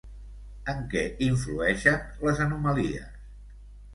En què influeixen les anomalies?